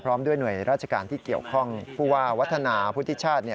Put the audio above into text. ด้วยหน่วยราชการที่เกี่ยวข้องผู้ว่าวัฒนาพุทธิชาติ